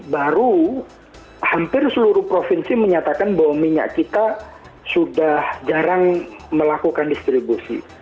baru hampir seluruh provinsi menyatakan bahwa minyak kita sudah jarang melakukan distribusi